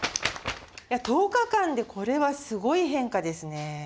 １０日間でこれはすごい変化ですね。